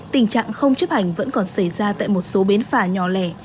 tình trạng không chấp hành vẫn còn xảy ra tại một số bến phà nhỏ lẻ